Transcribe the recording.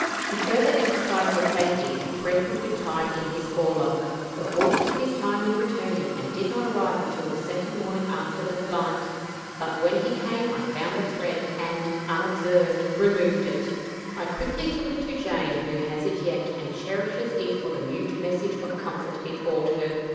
To further emphasize her safety a thread would be tied in his forelock. The horse took his time in returning, and did not arrive until the second morning after the flight, but when he came I found the thread, and, unobserved, removed it. I quickly took it to Jane, who has it yet, and cherishes it for the mute message of comfort it brought her.